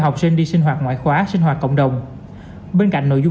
phụ trách bầu cử